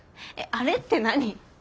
えっあれって何？